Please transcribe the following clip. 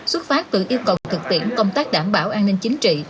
xuất phát từ yêu cầu thực tiễn công tác đảm bảo an ninh chính trị